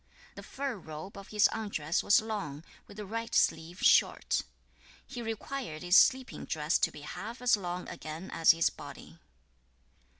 5. The fur robe of his undress was long, with the right sleeve short. 6. He required his sleeping dress to be half as long again as his body.